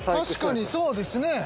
確かにそうですね。